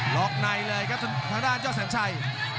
ล็อกในเลยครับทางด้านเจ้าแสนชัย